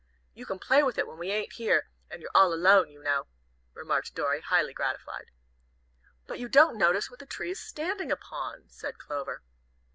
"You can play with it when we ain't here and you're all alone, you know," remarked Dorry, highly gratified. "But you don't notice what the tree's standing upon," said Clover.